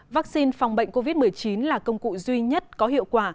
vắc xin phòng bệnh covid một mươi chín là công cụ duy nhất có hiệu quả